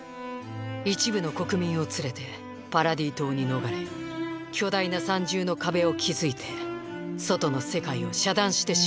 一部の国民を連れてパラディ島に逃れ巨大な三重の壁を築いて外の世界を遮断してしまったのです。